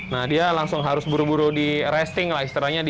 nah dia langsung harus buru buru di resting lah